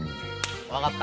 分かった！